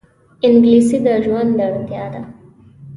انګلیسي د ژوند اړتیا ده